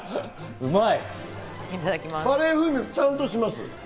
カレー風味、ちゃんとします。